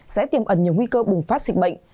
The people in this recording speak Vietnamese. sẽ tiêm ẩn nhiều nguy cơ bùng phát sịch bệnh